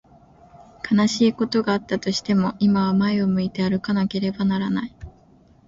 悲しいことがあったとしても、今は前を向いて歩かなければならない。